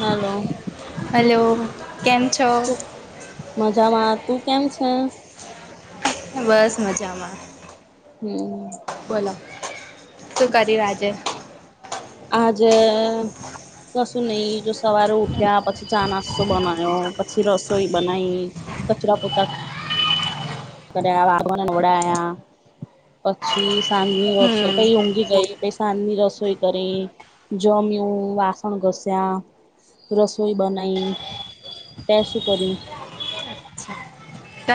Hello hello કેમ છો શું મજામાં તું કેમ છો? બસ મજામાં. હમ્મ. બોલો શું કર્યું આજે? આજે કશું નહી જો સવારે ઉઠ્યા, પછી ચા નાસ્તો બનાયો પછી, રસોઈ બનાવી કચરા પોતા કર્યા બાળકોને નવડાયા પછી સાંજની રસોઈ હમ પછી ઊંઘી ગઈ પછી સાંજની રસોઈ કરી, જમ્યું વાસણ ઘસ્યા, રસોઈ બનાવી તે શું કર્યું?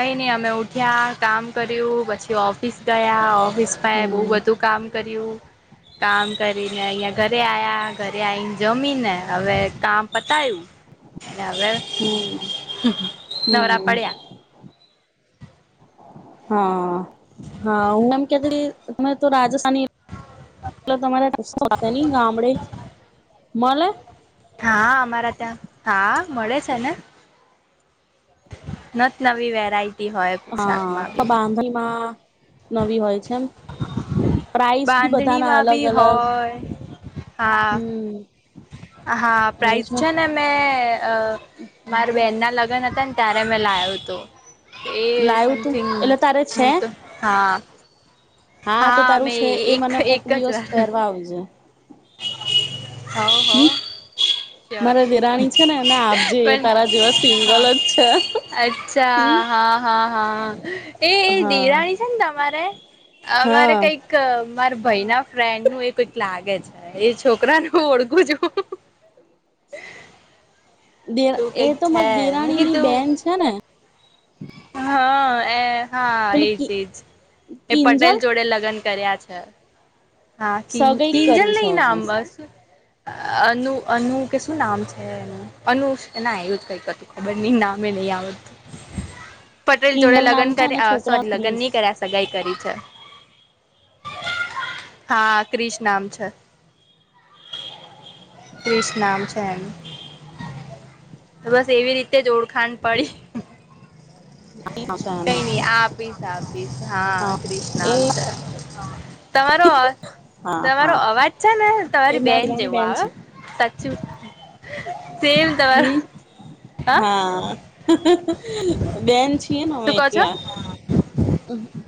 કઈ નઈ અમે ઉઠ્યા કામ કર્યું પછી ઓફિસ ગયા ઓફિસ એ બહુ હમ બધું કામ કર્યું. કામ કરીને અહિયાં ઘર ઘરે આયા ઘરે આવીઈને જમીને હવે કામ પતાયું, અને હવે હમ નવરા હમ પડ્યા. હા હા હનેમ કેતી તમે તો રાજસ્થાની તમારે રસ્તો ન ગામડે મળે. હા અમારા ત્યાં હા મળે છે ને. નત નવીવેરાત હા તો બાંધણમાં નવી હોય છે એમ. પ્રાઇસ બી બધાના બાંધણીમાં અલગ બી અલગ હોય હમ હા હા પ્રઇઝ છે ને મેં અ માર બેહેન ના લગ્ન હતા ને ત્યારે મેં લાવ્યો હતું. એ લાવું તું સમથિંગ એટલે તારે હ છે તો હા. હા તો મે તારું છે એ એક મને કોક એક જ દિવસ વાર પહેરવા આવજ. હ હ્યો, મારા દેરાણી છે ને એને આપજે એ પણ તારા જેવા સિંગલ જ છે હા અચ્છા હમ હા હા હા એ, હા દેરાની છે ને તમારે અમારે હા કઈક મારે ભયના ફ્રેન્ડ નું એ લાગે છે. એ છોકરાનું ઓળખું છું. રા એવું એ કઈક તો છે મારી મેં દેરાણી ની કીધું બેન છે ને હા એ. હા એજ પેલી એજ, એ પટેલ કિંજલ જોડે લગ્ન કર્યા છે. હ. હા ક સગાઈ કિંજલ કરી છે નઈ નામ હજુ બસ. અનુ અનુ કે શું નામ છે અનુ એને આવું જ કઈક હતું ખબર નહી નામે નહી આવડતું. પટેલ જોડે કિંજલ નામ લગન છે કર અને આ છોકરા સોરી લગન ક્રિસ ન કર્યા સગાઈ કરી. છે. હા ક્રિશ નામ છે, ક્રિશ નામ છે, એનું બસ એવી રીતે ઓળખાણ પડી. કઈ એનું નહી આપીશ આપીશ હા ક્રિષ્ના એ અર. હા તમારો હા તમારો હા અવાજ છે ને એ તમારી મારા બેન દીરાની જેવું આવે, છે સાછું સેમ તમારો. હમ હા, બેન છીએ ને અમે શું કહો છો એટલા,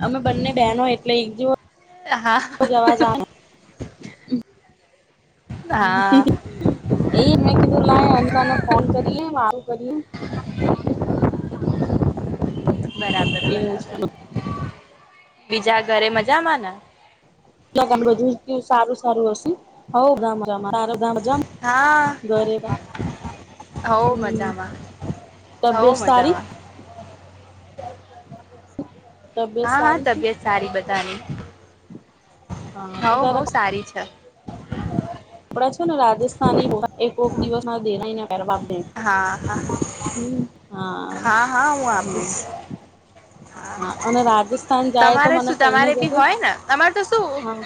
અમે બંને બેહેનો એટલે એક જો હા. હા એ મેં કીધું લ અનતાને ફોન કરી એ મા [inaudible] બરાબર એ બરાબર અનુસ્ઠાન [unintelligible] બીજા ઘરે મજામાં ને. ત્યા બધું સારું સારું હશું હોવ ગામ ગામ માર. હા બઉ હમ મજામાં બઉ તબિયત સારી મજામાં. [inaudible] તબિયત હા હા સારી છે તબિયત સારી બધાની હા તો હોવ તારા હોવ સારી છે. [inaudible] પડા છે ને રાજસ્થાની એકોક દિવસ [unintelligible] હા હા હમ હા હા હું આપીશ હમ હા અને રાજસ્થાન જાય તો તમારે મને શું કઈ ને તમારે બી જજો હોય ને તમારે તો શું હા.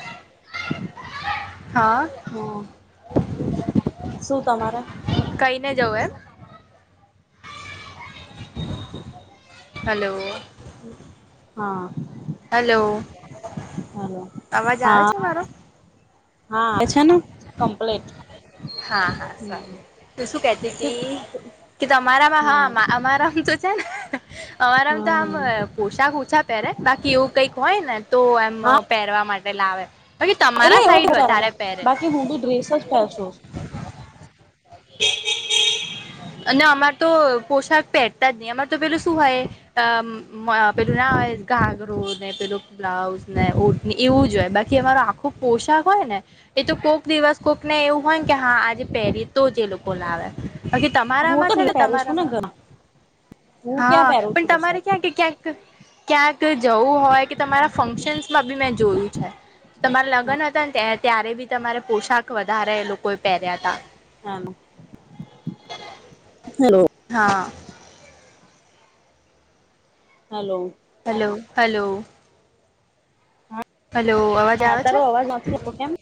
હા હા. શું તમારે. કઈને જવું એમ. હલો. હા. હેલો હલો અવાજ આવે હા છે મારો. હા આવે છે ને કમ્પ્લીટ. હા હા સારુ તું શું કેતી તી કે તમારામાં હા અમારામ તો છે ને અમારામ તો આમ હમ હા પોશાક ઓછા પહેરે બાકી એવું કઈક હોય ને તો એમ પહેરવા મા તે લાવે. એટલે એવું પહેવાનું પહેરે બાકી હું બી ડ્રેસ જ પહેર છું. [inaudible] અને અમા તો પોશાક પહેરતા જ નહી અમાર તો પેલું શું હોય પેલું ના હોય ઘાગરો ને પેલું બ્લાઉઝ ને ઓઢણી એવું જ હોય બાકી અમારો આખું પોશાક હોય ને એ તો કોક દિવસ કોકને એવું હોય ને કે હા આજે પહેરી તો જે લોકો લાવેકી હું તો તમારામાં છે ને પહેરું છું તમારામાં ઘર હું ક્યાં હા પહેરું પણ છું તમારે ક્યાં કે ક્યાંક ક્યાંક જવું હોય કે તમારા ફંક્શનસમાં બી મેં જોયું છે તમારા લગન હતા ને ત્યાં ત્યારે બી તમારે પોશાક વધારે એ લોકોએ પેર્યા તા. હા હલો. હા હલો. Hello hello. હલો અવાજ હા આવે છે તારો અવાજ નથી તો કેમ?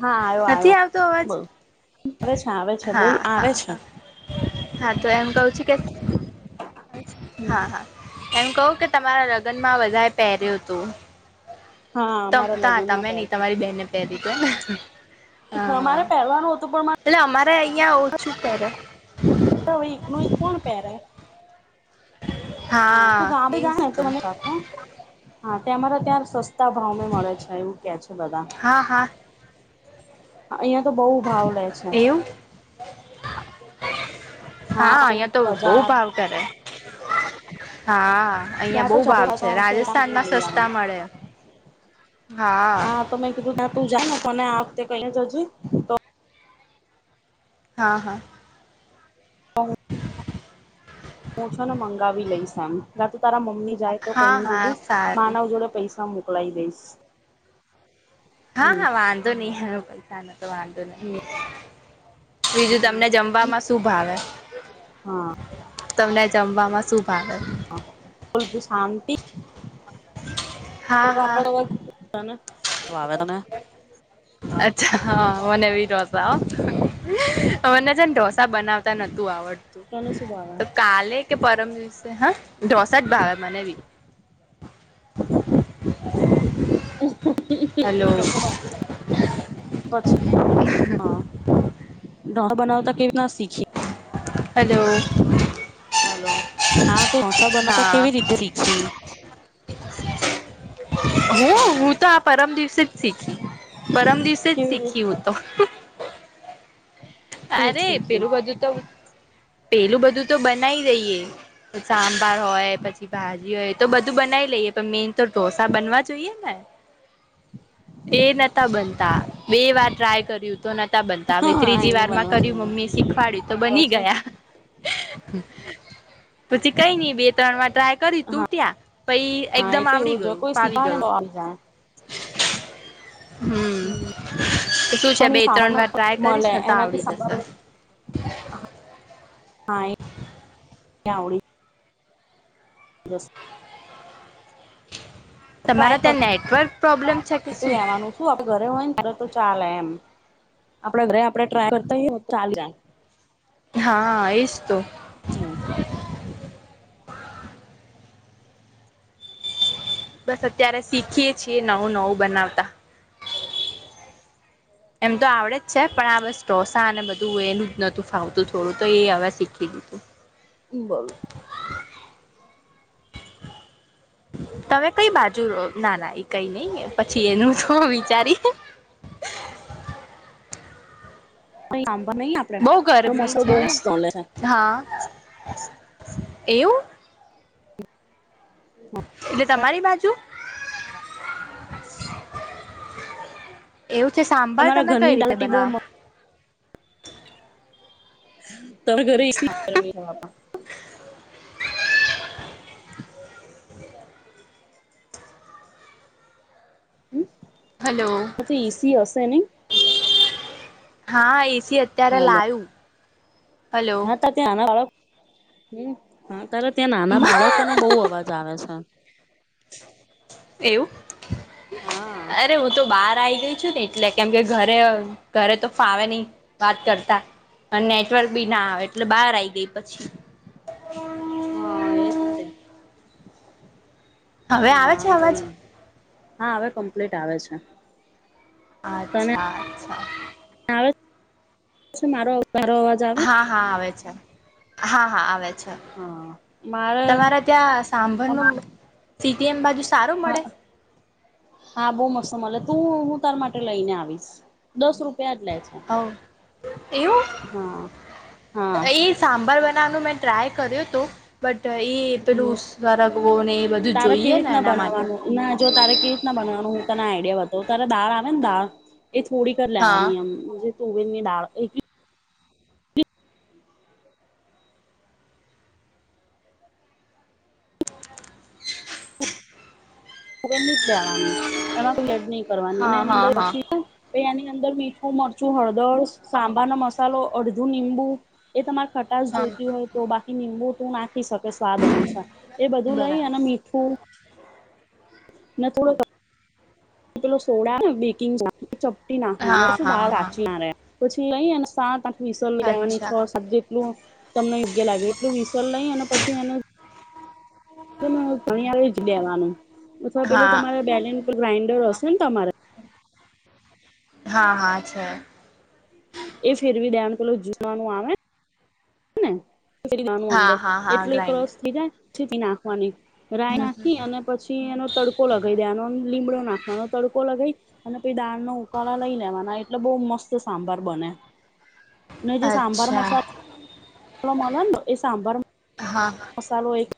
હા આયો નથી આયો આવતો બ અવાજ? હા હા હા હા તો એમ કવ છું કે હમ હા હા. એમ કહું કે તમારા લગન માં બધારે પેર્યું હતું. હા તમ અમારા તા લગ્નમાં તમે ની પહેરતી તમારી બેને પહેરી છે ને હા મારે પહેરવાનું હતું પણ હ. મારે એટલે અમારે અહિયાં ઓછું પેરે. વ ઈક નું ઈક કોણ પેરે. હા ગામડે એ જા જ ને તો મને રાખો હા તમારા ત્યાં સસ્તું સસતા ભાવે મળે છે એમ કેય છે બધા. હા હા અહિયાં તો બો ભાવ લે છે. એવું [inaudible] હા અહિયાં તો બો ભાવ કરે. હા અયાં ત્યાં બો તો ચારસો ભાવ છે. ત્રણસો એના રાજસ્થાનમાં મળી આવે સસ્તા મળે. હા તો મેં કીધું ત્યાં તું જા ને તને આ વખતે કઈને જજે તો હા હા. પણ ઉહ છે ને મંગાવી લઈશ એમ ની તો તારા મમ્મ મમ્મી જાય તો હા કઈની જજે હા સારું માનવ જોડે પૈસા મ લઈ દઈશ. હા હમ હા વાંધો નય હ પૈસા નો તો વાંધો નય. બીજું તમને જમવામાં શું ભાવે? હા તમને જમવામાં શું ભાવે? હા બીજું શાંતિ તો હા હા આપડે તને વાવેદને હા મને બી ઢોસા હા મને છેને ઢોસા બનાવતા નતું આવડતું. તને તો શું ભાવે તો કાલે કે પરમ દિવસે હા ઢોસા જ ભાવે મને બી [inaudible] હલો પછી હા ઢોસા બનાવતા કેવી રીતના શીખી? હલો. હલો હા તો ઢોસા બનાવતા હા કેવી રીતે શીખી. હું હેલો હું તો આ પરમ દિવસે જ શીખી પરમ દિવસે જ કેવી રીત શીખી હુતો. કેવી રીત અરે શીખી પેલું બધું તો પેલું બધું તો બનાય દઈએ. સાંભાર હોય પછી ભાજી હોય તો બધું બનાવી લઈએ પણ મેન તો ઢોસા બનવા જોઈએ ને. એ નતા બનતા બે વાર ટ્રાય કર્યું તો નતા બનતા હા એ ત્રીજી વાર બનવા જોઈએ મમ્મી શીખવાડ્યું તો બની પછી ગયા. પછી કઈ ની બે ત્રણ વાર ટ્રાય કરી હા તૂટ્યા પઈ હા એ એકદમ તો એવું આવડી જો ગયું કોઈ પાવી શીખવાડે ગયું. તો આવી જાય હમ શું છે અને બે ત્રણ સાવાનો વાર ટ્રાય કરીશ મળે ને તો એનાથી આવડી સાંભાર જશે. હા એ આવડી. બસ. તમારા ત્યાં નેટવર્ક [inaudible] પ્રોબ્લેમ [inaudible] તું લેવાનું શું આપડે ઘરે હોય ને તારે તો ચાલે એમ. આપડ ઘરે આપડે ટ્રાય કરતાએ ચાલ જ. હા એ જ તો. હમ. બસ અત્યારે શીખીય છીએ નવું નવું બનાવતા એમ તો આવડે જ છે પણ આ બસ ઢોસા અને બધું એનું જ નતું ફાવતું થોડું તો એ હવે શીખી દીધું. બોલ તમે કઈ બાજુ ના ના એ કઈ નહીિ પછી એનું જો વિચારી [unintelligible] પ [inaudible] બહ ઘણા છે. છે હા [unintelligible] એવું? એટલે તમારી બાજુ. [inaudible] એવું છે સાંભાર તમારા તમે કઈ ઘરની રીતે દાલબાટી બહુ બનાવ? [unintelligible] તો વગરે કર [inaudible] હલો હ એ તો ઇસી હશે નને? હા એ સી અત્યારે લાયું હલો હાટ ધ્યાન વાળા [inaudible] હમ હા પલા [inaudible] ત્યાં નાના બાળકો નો બહુ અવાજ આવે છે. એવું? હા અરે હું તો બાર ગય છ ને એટલે કેમ કે ઘરે ઘરે તો ફાવે નહ વાત કરતા અને વર્ક બી ના આવે એટલે બહાર આઈ ગઈ પછી. હા એજ તે હવે આવે છે અવાજ [unintelligible] હા હવે ક [unintelligible] આવે છે. તને અચ્છા. [inaudible] [unintelligible] છે મારો અ હા, હા આવે છે. હા, હા આવે હા મારે તમારે ત્યાં આમ સાંભળમા તી તેમ બાજુ સ હા, હા બહુ મસ્ત મલે. હું-હું તાર માટે લઈ ને આવીશ, દસ રૂપ હા એવું. હા હા ઈ સાંભર [unintelligible] નાનું મે ટ્રાય કર્યું તું. બટ ઈ પેલું હમ. સરગવોને ઈ બધું તારે જોઈએ કેવી ને રીતના એના માટે. બનાવવાનું ના જો તારે કેવી રીતના બનાવવાનું હું આઈડિયા બતાવું તને દાળ આવે ને દાળ? એ થોડીક જ હા લેવાની એમ. [unintelligible] ની દાળ તુવેર ની જ લેવાની, એમાં કોઈ એડ નહી કરવાની અને હા એની હા અંદર હા પછી [unintelligible] ને એની અંદર મીઠું, મરચું, હળદર સાંભારનો મસાલો, અડધું લીંબુ એ તમાર ખટાસ હા જોઈતી હોય તો બાકી લીંબુ [unintelligible] ખી શકે સ્વાદ અનુસાર. એ બધું લઈ બરાબર અને મીઠું ના થોડો કિલો સોડા બેકિંગ [unintelligible] [unintelligible] હા નાખવાનું શું હા દાળ હા કાચી ના રહે એમ. પછી લઈ અને [unintelligible] વિસલ લેવાની છ અચ્છા સાત જેટલું તમને યોગ્ય લાગે, એટલું વિસલ લઈ અને પછી એને [unintelligible] જ દેવાનું, અથવા પેલું હા તમારે [unintelligible] ગ્રાઇન્ડર હશે ને તમારે? હા, હા છે. એ ફેરવી દેવાનું પેલું [unintelligible] હેને [unintelligible] નાનું હા અંદર હા હા એટલે ઈ ગ્રાઇન્ડર ક્રોસ થઈ જાય. પીસી નાખવાની રાઈ હમ નાખી અને પછી એનો તડકો લગાઈ દેવાનો અન લીમડો નાખવાનો, તડકો લગાઈ અને તે દાળ નો ઉકાળા લઈ લેવાના એ એટલે બહુ મસ્ત સાંભાર બને. ન જે સાંભાર મસાલ અચ્છા પેલા મલને એ સાંભર હા મસાલો એક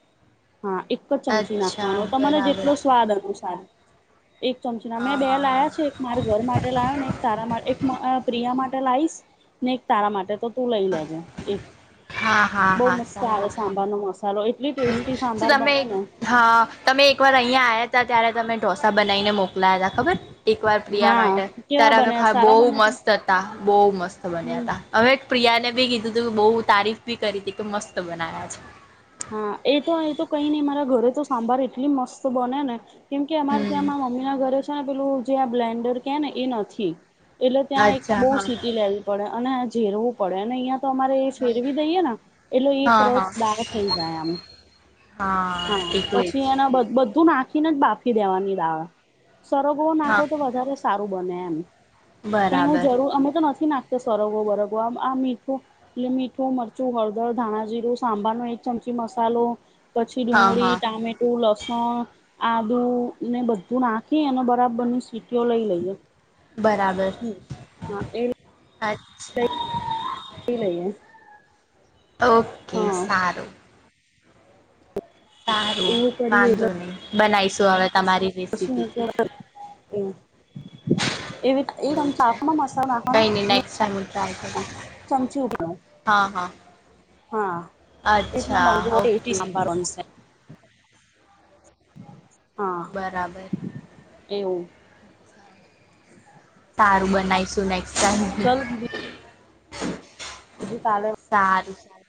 હા, એક જ ચમચી નાખવાનો અચ્છા તમારે બરાબર જેટલો સ્વાદ અનુસાર. એક ચમચી ના મેં હા બે હા હા લાયા છે એક મારા ઘર માટે લાયો ને એક તારા મા એક અહ પ્રિયા માટે લાઈશ ને એક તારા માટે તો તું લઈ લેજે એક બઉ મસ્ત આવે સા હું તમે એક હા તમે એક વાર અહિયાં આયા ત્યાર ત્યારે તમે ઢોસા બનાવીને મોકલાયા હતા ખબર? એક વાર પ્રિયા હા માટે કેવા ત્યારે અમે બને ખા બહુ સારા બને તે મસ્ત હતા, બહુ મસ્ત બન્યા હમ હતા. હવે પ્રિયાને બી કીધું તું બહું તારીફ તી કરી તી કે મસ્ત બનાયા છે. હા, એ તો એ તો કઈ નઈ મારા ઘરે તો સાંભાર એટલી મસ્ત બને ને કેમ કે અમારે ત્યાં હમ મા મમ્મી ના ઘરે છે ને પેલું જે આ બ્લેન્ડર કે ને એ નથી. એટલે ત્યાં એક અચ્છા બહું હા સિટી લેવી પડે અને જેરવું પડે ને અહીંયા. તો અમારે હા ફેરવી દઈએ ને એટલે એક હા રસ હા દાળ આમ. હા, એટલે પછી જ એના બધ-બધું નાખ ખી નેજ બાફી દેવાની દાળ. સરરોગવો નાખો હા તો વધારે સારું બને. એમ. પણ એવું બરાબર જરૂર અમે તો નથી નાખ તે સરગવો બરગો આમ આ મીઠું એટલે મીઠું મરચું હળદર ધાણાજીરું સાંભારનો એક ચમચી મસાલો પછી હા ડુંગળી, હા ટામેટું, લસણ આદુ ને બધું નાખી અને બરાબરની સીટીઓ લઈ લઈએ. બરાબર હમ્મ હા એ અચ્છા. પી લહીએ. ઓકે સારું. સારું એવું કરીએ એટલે વાંધોની. બનાવીશું હવે. તમારી શું રેસીપીથી [inaudible] એવી એકદમ એવું ચાટ નો મસાલો નાખવાનો રાઇ ચમચી ઉપર હા [unintelligible] અચ્છા ઓકે બરાબર. એવુ. સારુ બનાએંશુ નાઈ ચલ [unintelligible] બીજું કાલે સારું સારું.